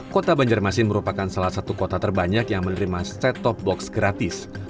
kota banjarmasin merupakan salah satu kota terbanyak yang menerima set top box gratis